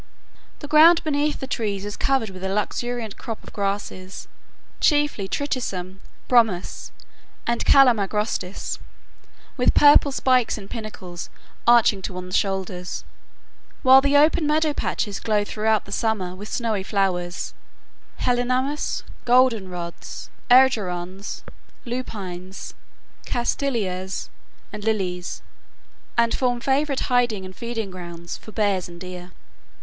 The ground beneath the trees is covered with a luxuriant crop of grasses, chiefly triticum, bromus, and calamagrostis, with purple spikes and panicles arching to one's shoulders; while the open meadow patches glow throughout the summer with showy flowers,—heleniums, goldenrods, erigerons, lupines, castilleias, and lilies, and form favorite hiding and feeding grounds for bears and deer.